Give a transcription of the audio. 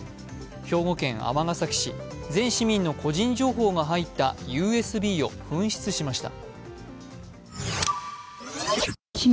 兵庫県尼崎市、全市民の個人情報が入ったＵＳＢを紛失しました。